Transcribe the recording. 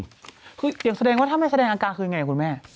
คืออย่างแสดงว่าถ้าไม่แสดงอาการคือยังไงคุณแม่